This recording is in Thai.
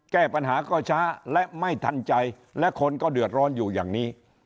แก้ปัญหาก็ช้าและไม่ทันใจและคนก็เดือดร้อนอยู่อย่างนี้